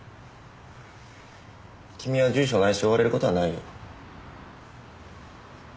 君は住所ないし追われる事はないよ。